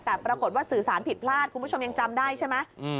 แต่ปรากฏว่าสื่อสารผิดพลาดคุณผู้ชมยังจำได้ใช่ไหม